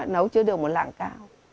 nấu chưa được một lạng cao